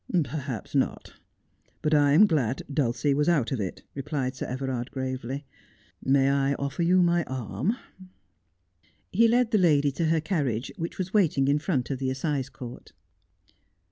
' Perhaps not ; but I am glad Dulcie was out of it,' replied Sir Everard gravely. ' May I offer you my arm 1 ' He led the lady to her carriage, which was waiting in front of the assize court.